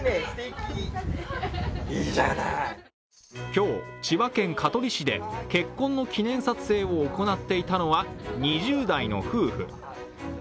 今日、千葉県香取市で結婚の記念撮影を行っていたのは２０代の夫婦。